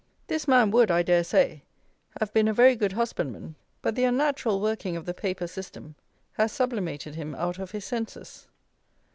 This man would, I dare say, have been a very good husbandman; but the unnatural working of the paper system has sublimated him out of his senses.